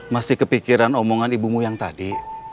masih kepikiran omongan ibumu yang tadi